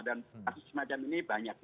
dan kasus semacam ini banyak